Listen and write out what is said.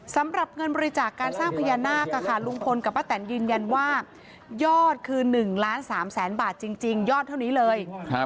สำหรับเงินบริจาคการสร้างพญานาคลุงพลกับป้าแตนยืนยันว่ายอดคือ๑ล้าน๓แสนบาทจริงยอดเท่านี้เลย